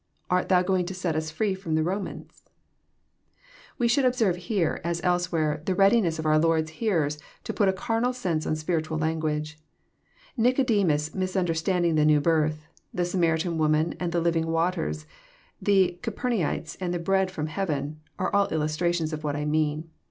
Art Thou going to set us free Arom the Romans ?" We should observe here, as elsewhere, the readiness of our Lord's hearers to put a carnal sense on spiritual language. Nic odemus misunderstanding the new birth, the Samaritan woman and the living waters, the Capemaites and the bread ft'om hea ven, are all illustrations of what I mean.